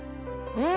うん！